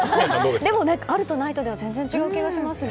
でも、あるとないとでは全然違う気がしますね。